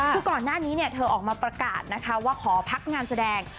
คือก่อนหน้านี้เธอออกมาประกาศนะคะว่าขอพักงานแสดง